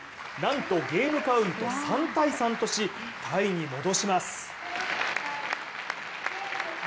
なんとゲームカウント３−３としタイに戻します。